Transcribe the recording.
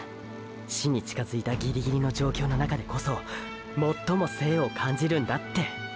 死に近づいたギリギリの状況の中でこそ最も「生」を感じるんだって。